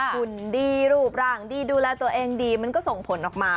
หุ่นดีรูปร่างดีดูแลตัวเองดีมันก็ส่งผลออกมา